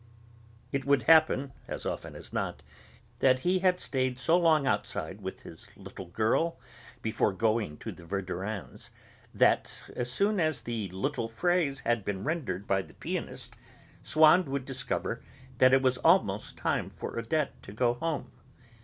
It would happen, as often as not, that he had stayed so long outside, with his little girl, before going to the Verdurins' that, as soon as the little phrase had been rendered by the pianist, Swann would discover that it was almost time for Odette to go home.